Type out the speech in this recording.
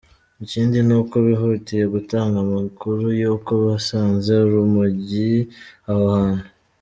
Ikindi ni uko bihutiye gutanga amakuru y’uko basanze urumogi aho hantu.